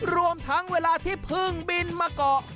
รวมทั้งเวลาที่เพิ่งบินมาเกาะ